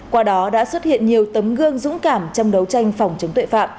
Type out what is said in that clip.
qua đó đã xuất hiện nhiều tấm gương dũng cảm trong đấu tranh phòng chống tội phạm